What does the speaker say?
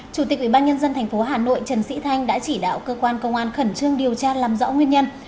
chủ tịch ubnd tp hà nội trần sĩ thanh đã chỉ đạo cơ quan công an khẩn trương điều tra làm rõ nguyên nhân